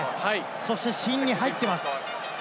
そして芯に入っています。